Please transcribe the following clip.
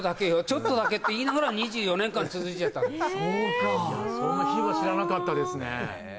「ちょっとだけ」って言いながら２４年間続いちゃったのそうかそんな秘話知らなかったですね